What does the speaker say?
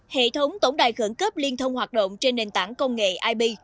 hệ thống tổng đài khẩn cấp liên thông hoạt động trên nền tảng công nghệ ip